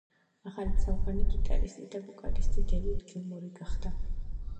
ახალი წამყვანი გიტარისტი და ვოკალისტი დევიდ გილმორი გახდა.